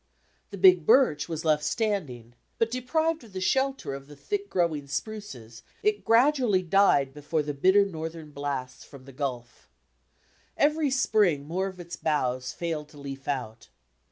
The big birch was left standing. But, deprived of the shelter of the thick growing spruces, it gradually died before the bitter northern blasts from the Gulf. Every spring more of its boughs failed to leaf out.